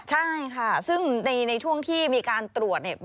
ใช่ค่ะซึ่งในช่วงที่มีการตรวจเนี่ย